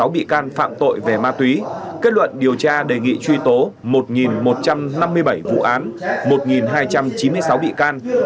một ba trăm một mươi sáu bị can phạm tội về ma túy kết luận điều tra đề nghị truy tố một một trăm năm mươi bảy vụ án một hai trăm chín mươi sáu bị can